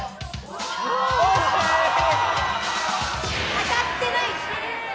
当たってない。